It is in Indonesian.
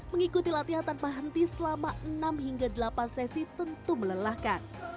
mengikuti latihan tanpa henti selama enam hingga delapan sesi tentu melelahkan